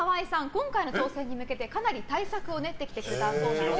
今回の挑戦に向けてかなり対策を練ってきたそうなんです。